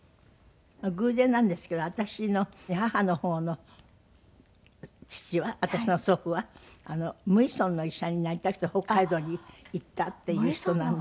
偶然なんですけど私の母の方の父は私の祖父は無医村の医者になりたくて北海道に行ったっていう人なので。